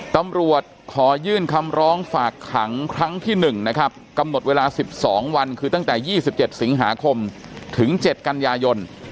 ตำรวจขอยื่นคำร้องฝากขังครั้งที่๑นะครับกำหนดเวลา๑๒วันคือตั้งแต่๒๗สิงหาคมถึง๗กันยายน